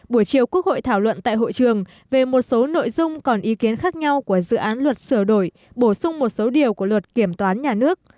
buổi chiều quốc hội thảo luận tại hội trường về một số nội dung còn ý kiến khác nhau của dự án luật sửa đổi bổ sung một số điều của luật kiểm toán nhà nước